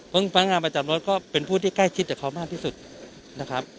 เพราะพนักงานประจำรถก็เป็นผู้ที่ใกล้ชิดกับเขามากที่สุดนะครับ